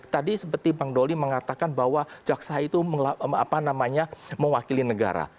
tadi seperti bang doli mengatakan bahwa jaksa itu mewakili negara